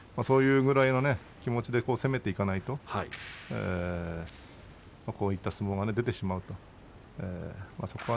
そのくらいの気持ちで攻めていかないとこういった相撲が出てしまうんです。